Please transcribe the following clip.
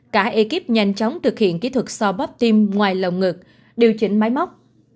cả ekip nhanh chóng thực hiện kỹ thuật so bắp tim ngoài lồng ngực điều chỉnh máy móc